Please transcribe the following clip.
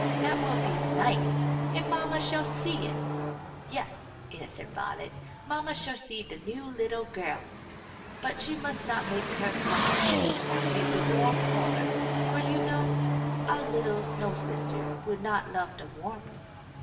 "That will be nice! And mamma shall see it!" "Yes," answered Violet; "mamma shall see the new little girl. But she must not make her come into the warm parlour; for, you know, our little snow sister will not love the warmth."